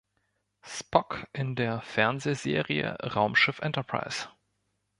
Spock in der Fernsehserie "Raumschiff Enterprise".